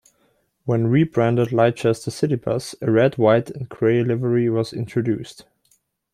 When rebranded Leicester CityBus, a red, white and grey livery was introduced.